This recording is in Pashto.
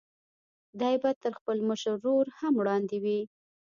دی به تر خپل مشر ورور هم وړاندې وي.